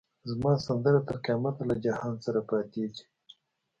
زما سندره تر قیامته له جهان سره پاییږی